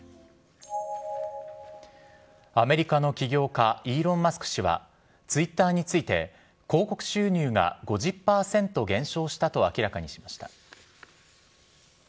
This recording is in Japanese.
アメリカの起業家、イーロン・マスク氏はツイッターについて、広告収入が５０％減少したと明らかにしました。